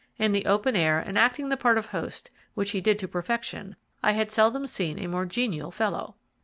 In the open air, and acting the part of host, which he did to perfection, I had seldom seen a more genial fellow.